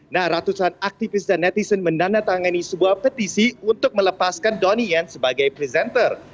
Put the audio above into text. nah ratusan aktivis dan netizen menandatangani sebuah petisi untuk melepaskan doni yen sebagai presenter